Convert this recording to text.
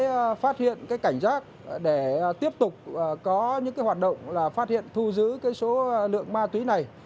chúng tôi phát hiện cảnh giác để tiếp tục có những hoạt động phát hiện thu giữ số lượng ma túy này